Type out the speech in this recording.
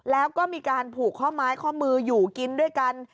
แล้วก็มีการผูกข้อไม้ข้อมืออยู่กินด้วยกัน